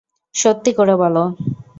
সত্যি করে বল?